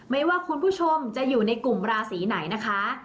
ไม่ว่าคุณผู้ชมจะอยู่ในกลุ่มราศีไหนนะคะ